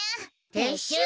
てっしゅう。